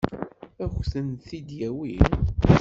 Ad kent-ten-id-yawi?